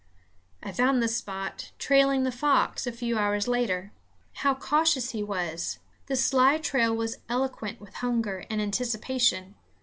I found the spot, trailing the fox, a few hours later. How cautious he was! The sly trail was eloquent with hunger and anticipation.